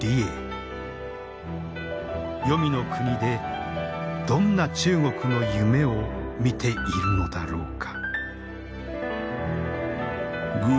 黄泉の国でどんな中国の夢を見ているのだろうか。